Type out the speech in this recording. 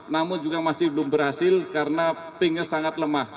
namun juga masih belum berhasil karena pinknya sangat lemah